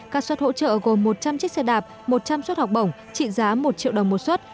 các suất hỗ trợ gồm một trăm linh chiếc xe đạp một trăm linh suất học bổng trị giá một triệu đồng một suất